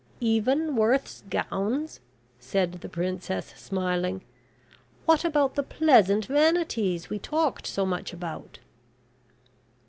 "Even Worth's gowns?" said the princess, smiling. "What about the pleasant vanities we talked so much about?"